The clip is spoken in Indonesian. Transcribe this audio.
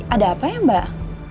ada apa ya mbak